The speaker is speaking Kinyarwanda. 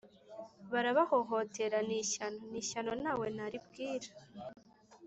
barabahohotera! Ni ishyano! Ni ishyano nta we naribwira